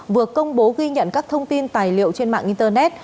vừa công bố ghi nhận các thông tin tài liệu trên mạng internet